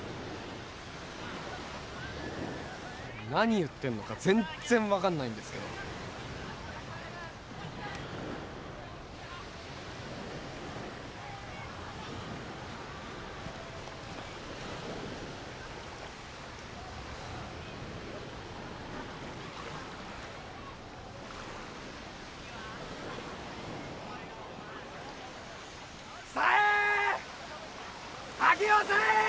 何言ってんのか全然わかんないんですけど沙絵ー！